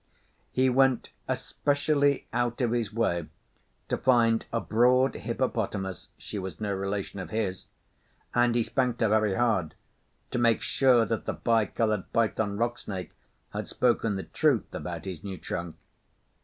He went especially out of his way to find a broad Hippopotamus (she was no relation of his), and he spanked her very hard, to make sure that the Bi Coloured Python Rock Snake had spoken the truth about his new trunk.